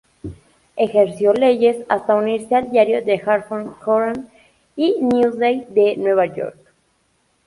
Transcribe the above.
Ejerció leyes hasta unirse al diario "The Hartford Courant" y Newsday de Nueva York.